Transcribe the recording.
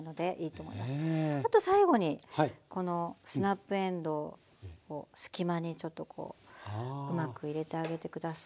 あと最後にスナップえんどうを隙間にうまく入れてあげて下さい。